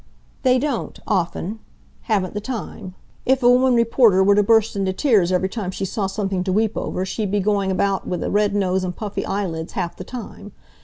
"They don't often. Haven't the time. If a woman reporter were to burst into tears every time she saw something to weep over she'd be going about with a red nose and puffy eyelids half the time.